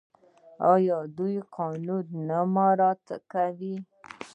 آیا دوی قانون نه مراعات کوي؟